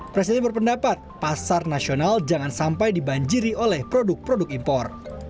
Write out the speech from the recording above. presiden berpendapat pasar nasional jangan sampai dibanjiri oleh produk produk impor